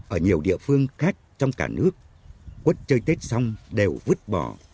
ở nhiều địa phương khác trong cả nước quất chơi tết xong đều vứt bỏ